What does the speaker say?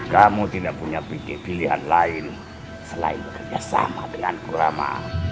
kamu tidak punya pilihan lain selain bekerja sama dengan kurama